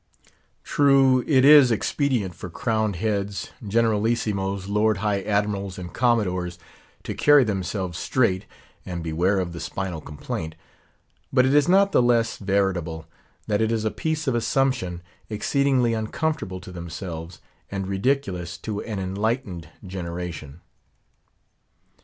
True, it is expedient for crowned heads, generalissimos, Lord high admirals, and Commodores, to carry themselves straight, and beware of the spinal complaint; but it is not the less veritable, that it is a piece of assumption, exceedingly uncomfortable to themselves, and ridiculous to an enlightened generation.